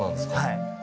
はい。